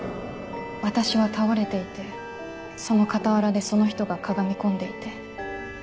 私は倒れていてその傍らでその人がかがみ込んでいて。